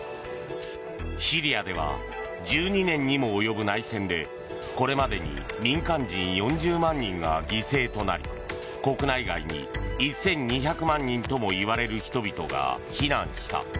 シリアでは１２年にも及ぶ内戦でこれまでに民間人４０万人が犠牲となり国内外に１２００万人ともいわれる人々が避難した。